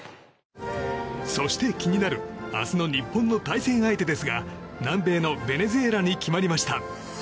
そして、気になる明日の日本の対戦相手ですが南米のベネズエラに決まりました。